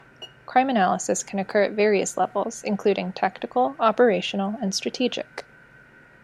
Crime analysis can occur at various levels, including tactical, operational, and strategic.